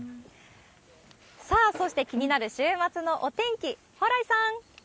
さあ、そして気になる週末のお天気、蓬莱さん。